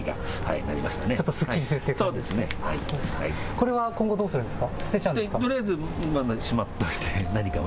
これは今後、どうするんですか。